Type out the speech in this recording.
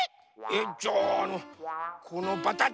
えっ⁉じゃああのこのバター。